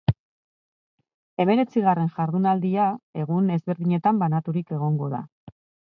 Hemeretzigarren jardunaldia egun ezberdinetan banaturik egongo da.